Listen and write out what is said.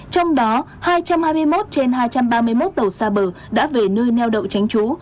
trong đó hai trăm hai mươi một trên hai trăm ba mươi một tàu xa bờ đã về nơi neo đậu tránh trú